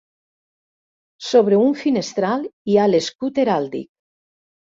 Sobre un finestral hi ha l'escut heràldic.